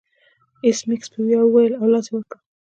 ایس میکس په ویاړ وویل او لاس یې ور کړ